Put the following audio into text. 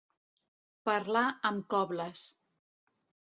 Parlar amb cobles.